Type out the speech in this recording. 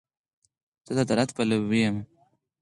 زه د عدالت پلوی یم.